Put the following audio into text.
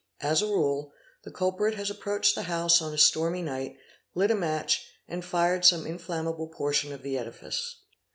As a rule, the culprit has ap proached the house on a stormy night, lit a match, and fired some inflammable portion of the edifice.